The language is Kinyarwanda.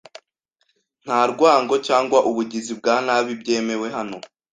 Nta rwango cyangwa ubugizi bwa nabi byemewe hano